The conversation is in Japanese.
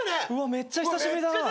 めっちゃ久しぶりだな。